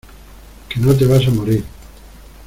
que no te vas a morir.